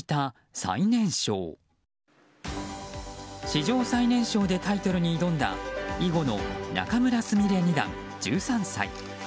史上最年少でタイトルに挑んだ囲碁の仲邑菫二段、１３歳。